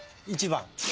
１番。